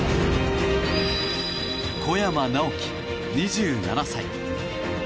小山直城、２７歳。